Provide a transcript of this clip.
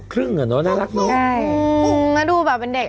คุณครูดูแบบเป็นเด็ก